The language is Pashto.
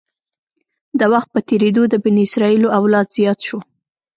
د وخت په تېرېدو د بني اسرایلو اولاد زیات شو.